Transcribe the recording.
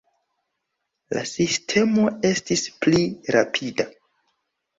La sistemo estis pli rapida.